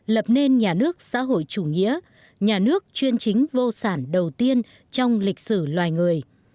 lập nên nhà nước xã hội chủ nghĩa nhà nước chuyên chính vô sản đầu tiên trong lịch sử loài người